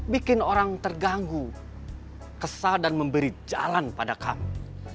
bikin orang terganggu kesal dan memberi jalan pada kami